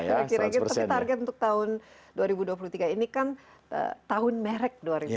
tapi target untuk tahun dua ribu dua puluh tiga ini kan tahun merek dua ribu dua puluh tiga